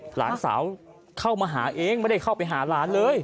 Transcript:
หลานสาวเข้ามาหาเองไม่ได้เข้าไปหาหลานเลย